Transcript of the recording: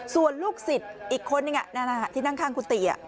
ส่วนลูกศิษย์อีกคนนึงที่นั่งข้างกุฏิ